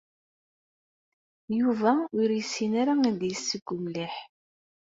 Yuba ur yessin ara ad yesseww mliḥ.